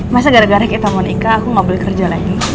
masa gara gara kita monika aku gak boleh kerja lagi